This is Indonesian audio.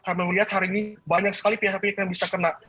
kami melihat hari ini banyak sekali pihak pihak yang bisa kena